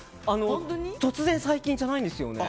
突然最近じゃないんですよね。